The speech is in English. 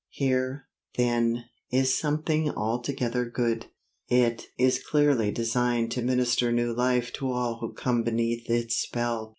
Here, then, is something altogether good. It is clearly designed to minister new life to all who come beneath its spell.